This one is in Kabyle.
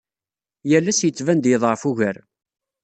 Yal ass yettban-d yeḍɛef ugar.